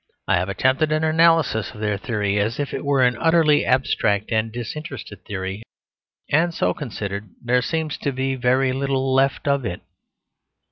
I have attempted an analysis of their theory as if it were an utterly abstract and disinterested theory; and so considered, there seems to be very little left of it.